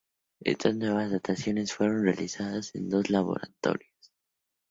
Estas nuevas dataciones fueron realizadas en dos laboratorios.